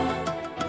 nih aku tidur